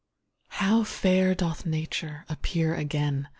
How fair doth Nature Appear again!